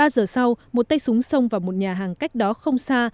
ba giờ sau một tay súng xông vào một nhà hàng cách đó không xa